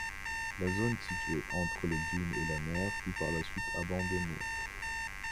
La zone située entre les dunes et la mer fut par la suite abandonnée.